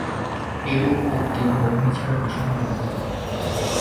এইরূপ উক্তি বোকামী ছাড়া বিষম ভুলও।